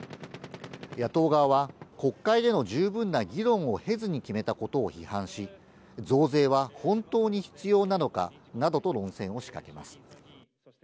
野党側は国会での十分な議論を経ずに決めたことを批判し、増税は本当に必要なのかなどと論戦を仕掛けます。